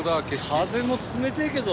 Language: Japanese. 風も冷てぇけど。